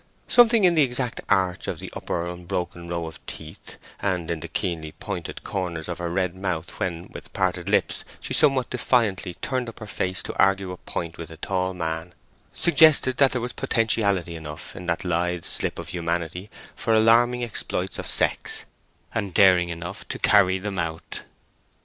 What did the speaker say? Something in the exact arch of her upper unbroken row of teeth, and in the keenly pointed corners of her red mouth when, with parted lips, she somewhat defiantly turned up her face to argue a point with a tall man, suggested that there was potentiality enough in that lithe slip of humanity for alarming exploits of sex, and daring enough to carry them out.